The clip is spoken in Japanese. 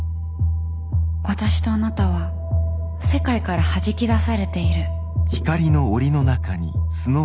私とあなたは世界からはじき出されている。